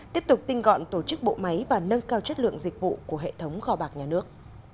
tiếp tục tinh gọn tổ chức bộ máy và nâng cao chất lượng dịch vụ của hệ thống kho bạc nhà nước